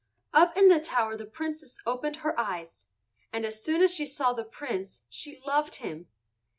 Up in the tower the Princess opened her eyes, and as soon as she saw the Prince she loved him.